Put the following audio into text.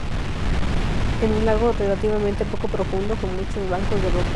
Es un lago relativamente poco profundo, con muchos bancos de rocas.